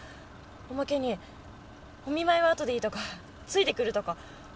おまけにお見舞いは後でいいとかついてくるとか。